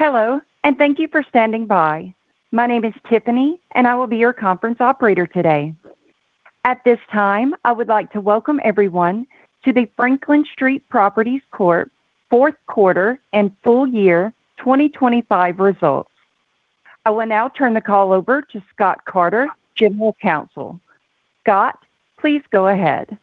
Hello, and thank you for standing by. My name is Tiffany, and I will be your conference operator today. At this time, I would like to welcome everyone to the Franklin Street Properties Corp. Fourth Quarter and Full Year 2025 Results. I will now turn the call over to Scott Carter, General Counsel. Scott, please go ahead.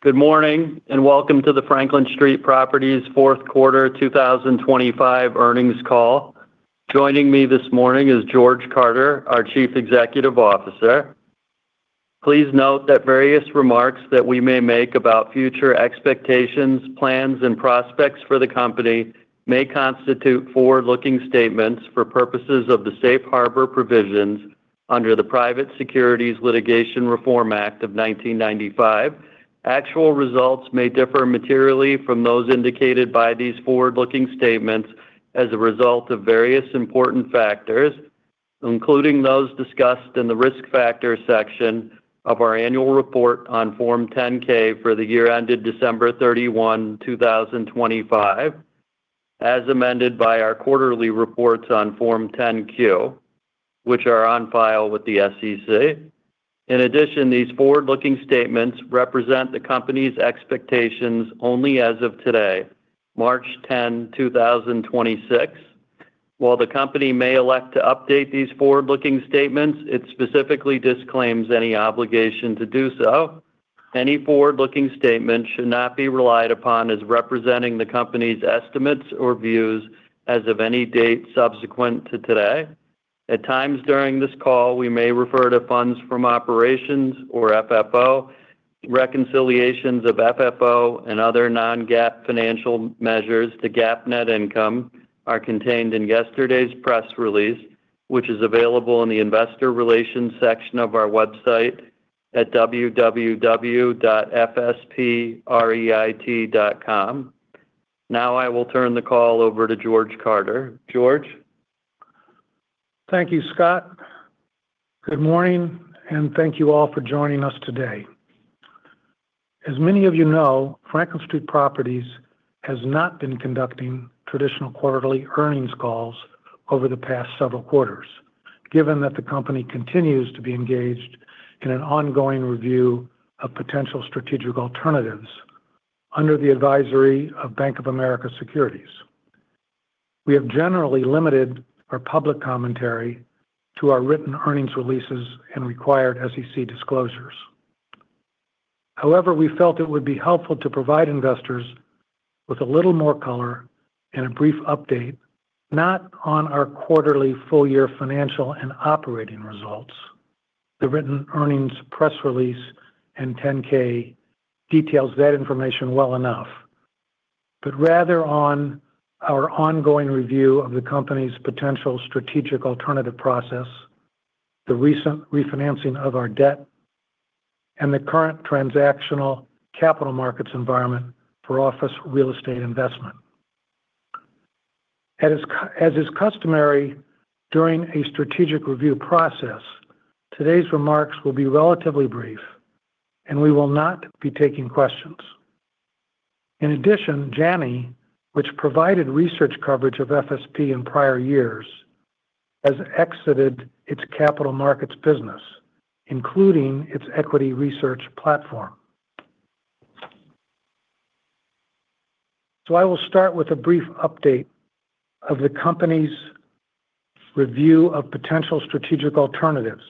Good morning, and welcome to the Franklin Street Properties Fourth Quarter 2025 Earnings call. Joining me this morning is George J. Carter, our Chief Executive Officer. Please note that various remarks that we may make about future expectations, plans, and prospects for the company may constitute forward-looking statements for purposes of the safe harbor provisions under the Private Securities Litigation Reform Act of 1995. Actual results may differ materially from those indicated by these forward-looking statements as a result of various important factors, including those discussed in the Risk Factors section of our annual report on Form 10-K for the year ended December 31, 2025, as amended by our quarterly reports on Form 10-Q, which are on file with the SEC. In addition, these forward-looking statements represent the company's expectations only as of today, March 10, 2026. While the company may elect to update these forward-looking statements, it specifically disclaims any obligation to do so. Any forward-looking statements should not be relied upon as representing the company's estimates or views as of any date subsequent to today. At times during this call, we may refer to funds from operations or FFO. Reconciliations of FFO and other non-GAAP financial measures to GAAP net income are contained in yesterday's press release, which is available in the Investor Relations section of our website at www.fspreit.com. Now I will turn the call over to George J. Carter. George. Thank you, Scott. Good morning, and thank you all for joining us today. As many of you know, Franklin Street Properties has not been conducting traditional quarterly earnings calls over the past several quarters, given that the company continues to be engaged in an ongoing review of potential strategic alternatives under the advisory of BofA Securities. We have generally limited our public commentary to our written earnings releases and required SEC disclosures. However, we felt it would be helpful to provide investors with a little more color and a brief update, not on our quarterly or full-year financial and operating results. The written earnings press release and 10-K details that information well enough. Rather on our ongoing review of the company's potential strategic alternative process, the recent refinancing of our debt, and the current transactional capital markets environment for office real estate investment. As is customary during a strategic review process, today's remarks will be relatively brief, and we will not be taking questions. In addition, Janney, which provided research coverage of FSP in prior years, has exited its capital markets business, including its equity research platform. I will start with a brief update of the company's review of potential strategic alternatives,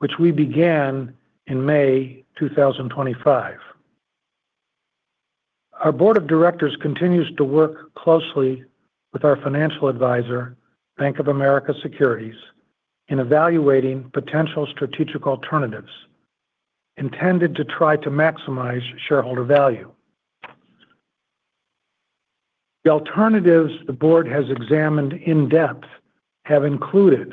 which we began in May 2025. Our board of directors continues to work closely with our financial advisor, BofA Securities, in evaluating potential strategic alternatives intended to try to maximize shareholder value. The alternatives the board has examined in depth have included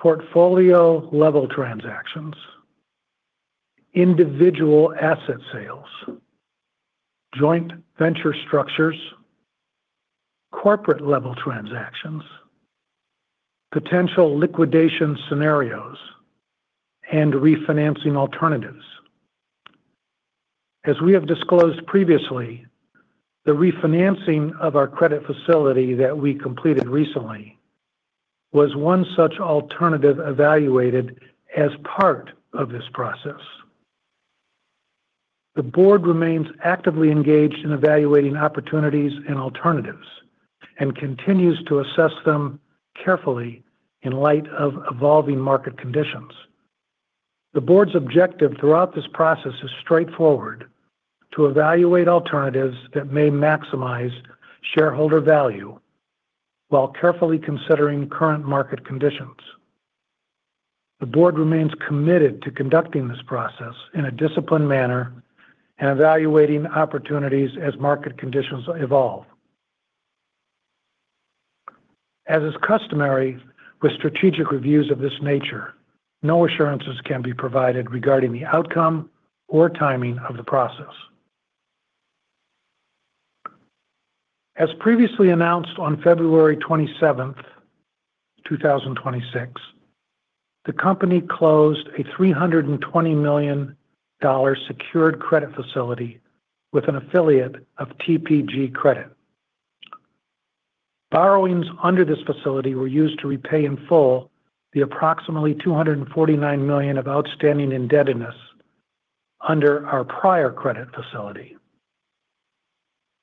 portfolio level transactions, individual asset sales, joint venture structures, corporate level transactions, potential liquidation scenarios, and refinancing alternatives. As we have disclosed previously, the refinancing of our credit facility that we completed recently was one such alternative evaluated as part of this process. The board remains actively engaged in evaluating opportunities and alternatives and continues to assess them carefully in light of evolving market conditions. The board's objective throughout this process is straightforward, to evaluate alternatives that may maximize shareholder value while carefully considering current market conditions. The board remains committed to conducting this process in a disciplined manner and evaluating opportunities as market conditions evolve. As is customary with strategic reviews of this nature, no assurances can be provided regarding the outcome or timing of the process. As previously announced on February 27, 2026. The company closed a $320 million secured credit facility with an affiliate of TPG Credit. Borrowings under this facility were used to repay in full the approximately $249 million of outstanding indebtedness under our prior credit facility.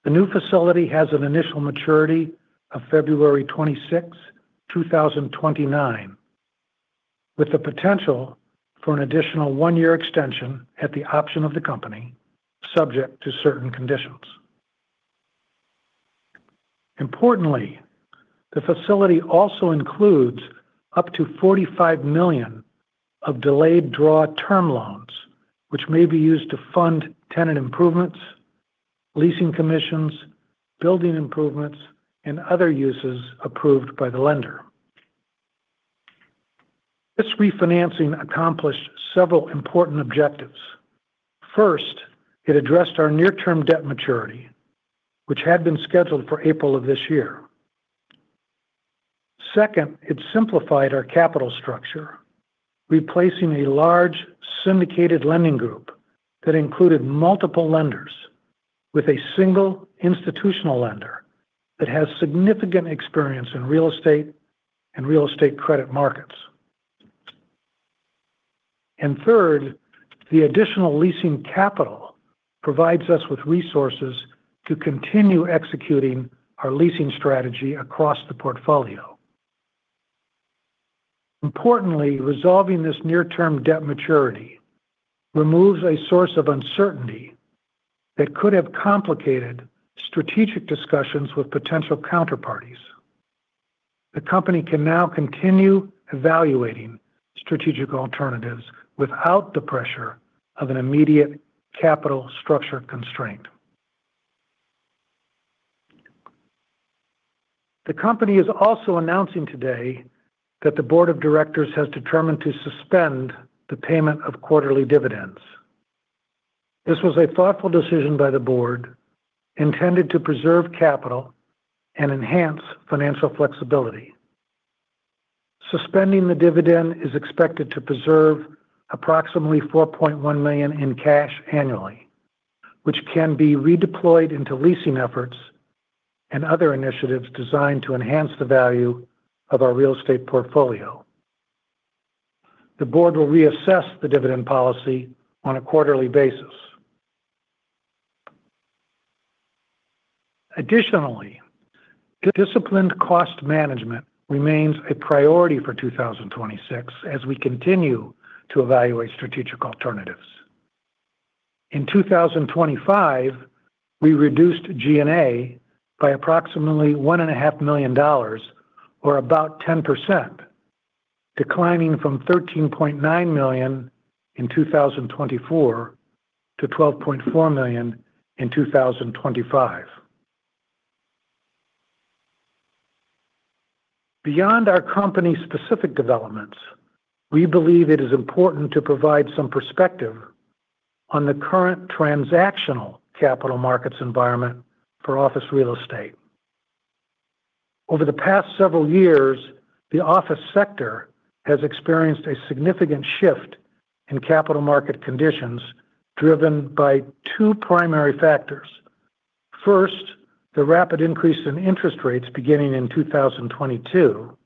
The new facility has an initial maturity of February 26, 2029, with the potential for an additional 1-year extension at the option of the company, subject to certain conditions. Importantly, the facility also includes up to $45 million of delayed draw term loans, which may be used to fund tenant improvements, leasing commissions, building improvements, and other uses approved by the lender. This refinancing accomplished several important objectives. First, it addressed our near-term debt maturity, which had been scheduled for April of this year. Second, it simplified our capital structure, replacing a large syndicated lending group that included multiple lenders with a single institutional lender that has significant experience in real estate and real estate credit markets. Third, the additional leasing capital provides us with resources to continue executing our leasing strategy across the portfolio. Importantly, resolving this near-term debt maturity removes a source of uncertainty that could have complicated strategic discussions with potential counterparties. The company can now continue evaluating strategic alternatives without the pressure of an immediate capital structure constraint. The company is also announcing today that the board of directors has determined to suspend the payment of quarterly dividends. This was a thoughtful decision by the board intended to preserve capital and enhance financial flexibility. Suspending the dividend is expected to preserve approximately $4.1 million in cash annually, which can be redeployed into leasing efforts and other initiatives designed to enhance the value of our real estate portfolio. The board will reassess the dividend policy on a quarterly basis. Additionally, disciplined cost management remains a priority for 2026 as we continue to evaluate strategic alternatives. In 2025, we reduced G&A by approximately $1.5 million, or about 10%, declining from $13.9 million in 2024 to $12.4 million in 2025. Beyond our company's specific developments, we believe it is important to provide some perspective on the current transactional capital markets environment for office real estate. Over the past several years, the office sector has experienced a significant shift in capital market conditions driven by two primary factors. First, the rapid increase in interest rates beginning in 2022.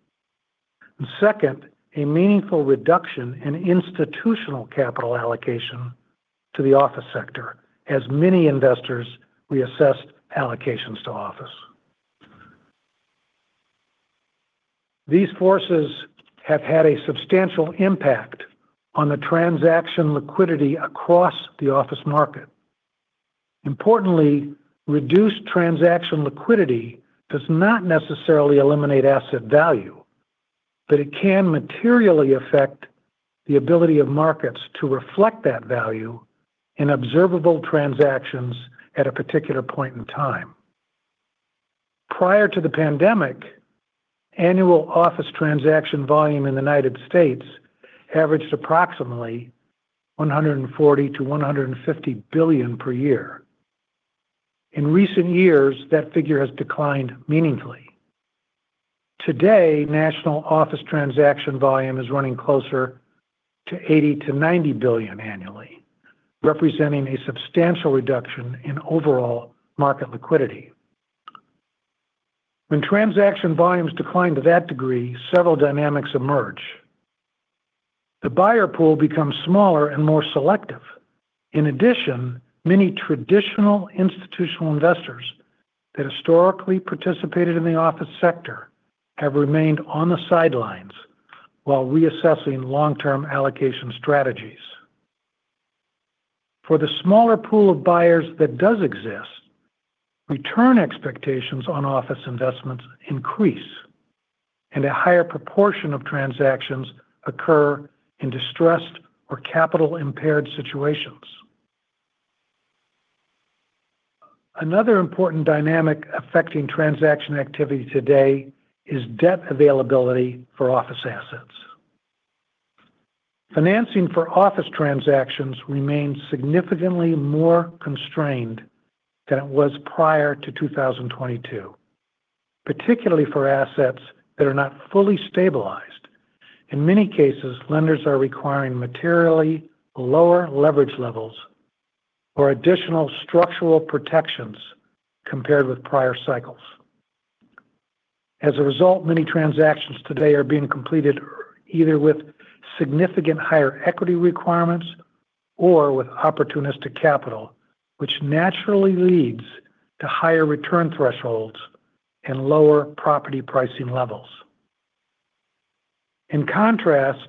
Second, a meaningful reduction in institutional capital allocation to the office sector as many investors reassessed allocations to office. These forces have had a substantial impact on the transaction liquidity across the office market. Importantly, reduced transaction liquidity does not necessarily eliminate asset value, but it can materially affect the ability of markets to reflect that value in observable transactions at a particular point in time. Prior to the pandemic, annual office transaction volume in the United States averaged approximately $140-$150 billion per year. In recent years, that figure has declined meaningfully. Today, national office transaction volume is running closer to $80-$90 billion annually, representing a substantial reduction in overall market liquidity. When transaction volumes decline to that degree, several dynamics emerge. The buyer pool becomes smaller and more selective. In addition, many traditional institutional investors that historically participated in the office sector have remained on the sidelines while reassessing long-term allocation strategies. For the smaller pool of buyers that does exist, return expectations on office investments increase, and a higher proportion of transactions occur in distressed or capital-impaired situations. Another important dynamic affecting transaction activity today is debt availability for office assets. Financing for office transactions remains significantly more constrained than it was prior to 2022. Particularly for assets that are not fully stabilized. In many cases, lenders are requiring materially lower leverage levels or additional structural protections compared with prior cycles. As a result, many transactions today are being completed either with significant higher equity requirements or with opportunistic capital, which naturally leads to higher return thresholds and lower property pricing levels. In contrast,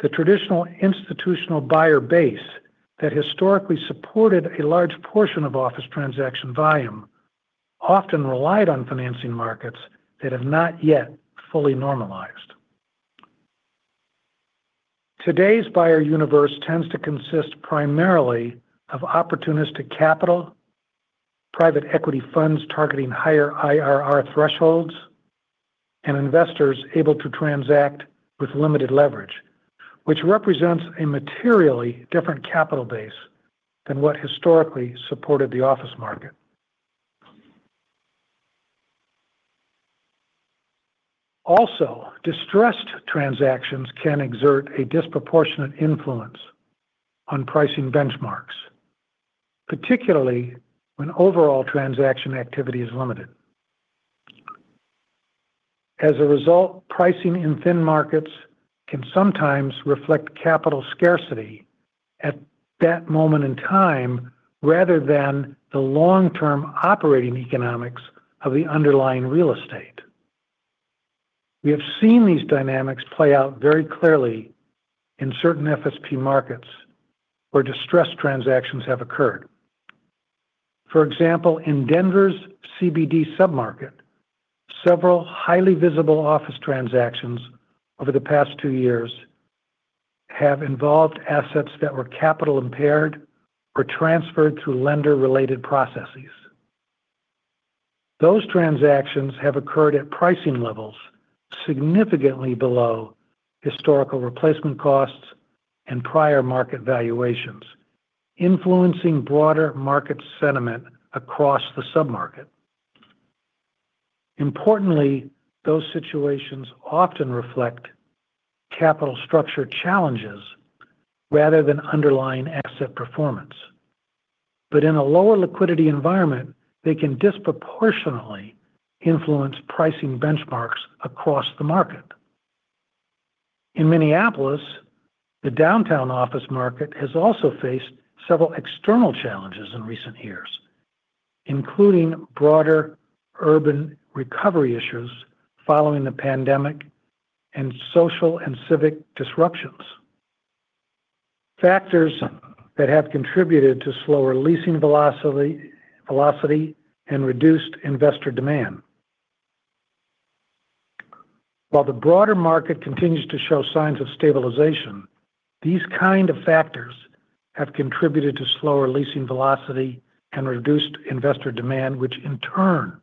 the traditional institutional buyer base that historically supported a large portion of office transaction volume often relied on financing markets that have not yet fully normalized. Today's buyer universe tends to consist primarily of opportunistic capital, private equity funds targeting higher IRR thresholds, and investors able to transact with limited leverage, which represents a materially different capital base than what historically supported the office market. Also, distressed transactions can exert a disproportionate influence on pricing benchmarks, particularly when overall transaction activity is limited. As a result, pricing in thin markets can sometimes reflect capital scarcity at that moment in time, rather than the long-term operating economics of the underlying real estate. We have seen these dynamics play out very clearly in certain FSP markets where distressed transactions have occurred. For example, in Denver's CBD sub-market, several highly visible office transactions over the past two years have involved assets that were capital impaired or transferred through lender-related processes. Those transactions have occurred at pricing levels significantly below historical replacement costs and prior market valuations, influencing broader market sentiment across the sub-market. Importantly, those situations often reflect capital structure challenges rather than underlying asset performance. In a lower liquidity environment, they can disproportionately influence pricing benchmarks across the market. In Minneapolis, the downtown office market has also faced several external challenges in recent years, including broader urban recovery issues following the pandemic and social and civic disruptions. Factors that have contributed to slower leasing velocity and reduced investor demand. While the broader market continues to show signs of stabilization, these kind of factors have contributed to slower leasing velocity and reduced investor demand, which in turn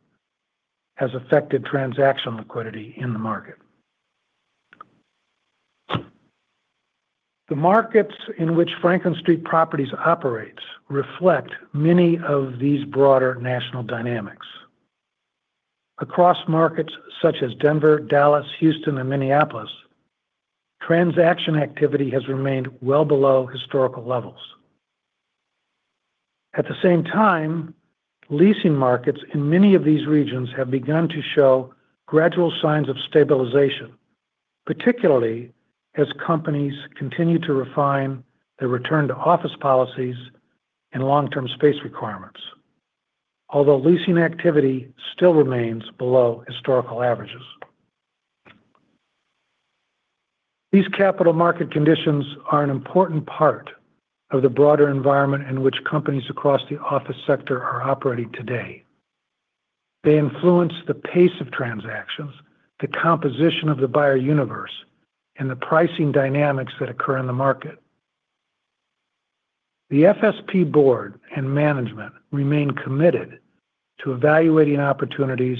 has affected transaction liquidity in the market. The markets in which Franklin Street Properties operates reflect many of these broader national dynamics. Across markets such as Denver, Dallas, Houston, and Minneapolis, transaction activity has remained well below historical levels. At the same time, leasing markets in many of these regions have begun to show gradual signs of stabilization, particularly as companies continue to refine their return to office policies and long-term space requirements. Although leasing activity still remains below historical averages, these capital market conditions are an important part of the broader environment in which companies across the office sector are operating today. They influence the pace of transactions, the composition of the buyer universe, and the pricing dynamics that occur in the market. The FSP board and management remain committed to evaluating opportunities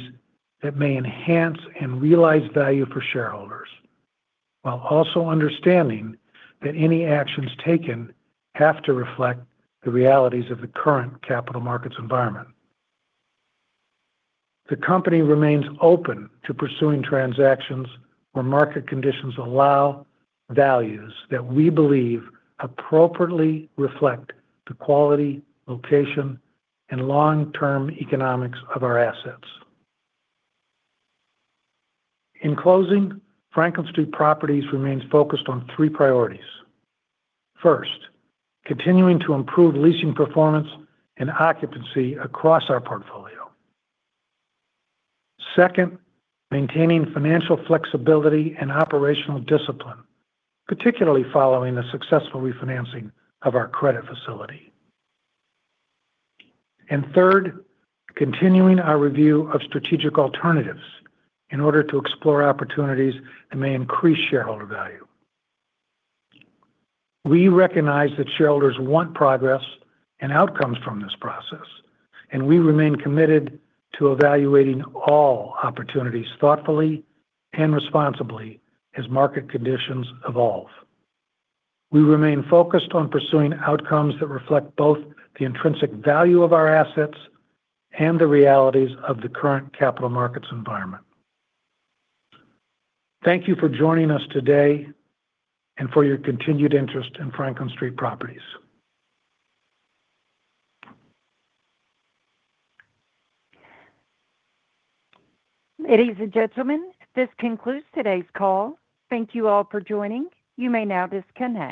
that may enhance and realize value for shareholders, while also understanding that any actions taken have to reflect the realities of the current capital markets environment. The company remains open to pursuing transactions where market conditions allow values that we believe appropriately reflect the quality, location, and long-term economics of our assets. In closing, Franklin Street Properties remains focused on three priorities. First, continuing to improve leasing performance and occupancy across our portfolio. Second, maintaining financial flexibility and operational discipline, particularly following the successful refinancing of our credit facility. Third, continuing our review of strategic alternatives in order to explore opportunities that may increase shareholder value. We recognize that shareholders want progress and outcomes from this process, and we remain committed to evaluating all opportunities thoughtfully and responsibly as market conditions evolve. We remain focused on pursuing outcomes that reflect both the intrinsic value of our assets and the realities of the current capital markets environment. Thank you for joining us today and for your continued interest in Franklin Street Properties. Ladies and gentlemen, this concludes today's call. Thank you all for joining. You may now disconnect.